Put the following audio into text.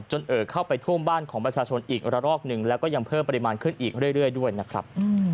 เอ่อเข้าไปท่วมบ้านของประชาชนอีกระรอกหนึ่งแล้วก็ยังเพิ่มปริมาณขึ้นอีกเรื่อยด้วยนะครับ